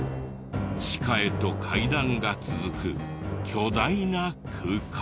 地下へと階段が続く巨大な空間。